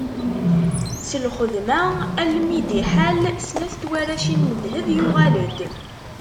S lxedma almi d iḥal snat n twaracin n ddheb, yuɣal-d.